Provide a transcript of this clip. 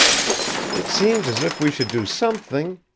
"It seems as if we should do something!"